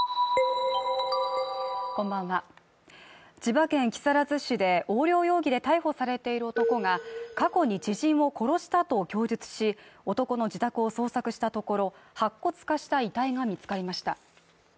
こんばんは千葉県木更津市で横領容疑で逮捕されている男が過去に知人を殺したと供述し、男の自宅を捜索したところ、白骨化した遺体が見つかりました。